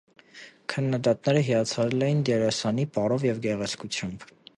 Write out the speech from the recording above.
Քննադատները հիացել էին դերասանի պարով և գեղեցկությամբ։